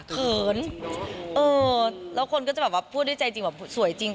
เขินเออแล้วคนก็จะแบบว่าพูดด้วยใจจริงแบบสวยจริง